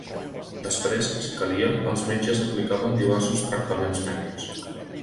Després, si calia, els metges aplicaven diversos tractaments mèdics.